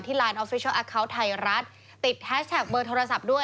ติดแฮชแท็กเบอร์โทรศัพท์ด้วย